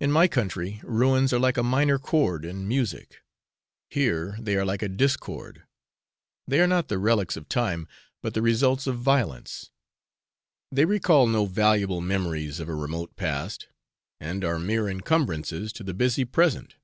In my country, ruins are like a minor chord in music, here they are like a discord; they are not the relics of time, but the results of violence; they recall no valuable memories of a remote past, and are mere encumbrances to the busy present.